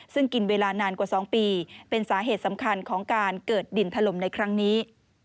ซึ่งกินเวลานานกว่า๒ปีเป็นสาเหตุสำคัญของการเกิดดินถล่มในครั้งนี้